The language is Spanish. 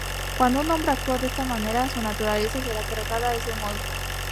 Cuando un hombre actúa de esta manera, su naturaleza será tratada de ese modo'.